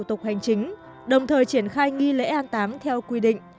thủ tục hành chính đồng thời triển khai nghi lễ an tám theo quy định